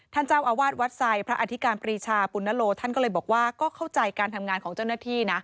ท่านเจ้าอาวาสวัดไซด์พระอธิการปรีชาปุณโลท่านก็เลยบอกว่าก็เข้าใจการทำงานของเจ้าหน้าที่นะ